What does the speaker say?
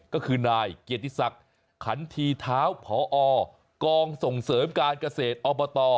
ก็คือนายเกียรติศักดิ์ขันทีเท้าพอกองส่งเสริมการเกษตรอบต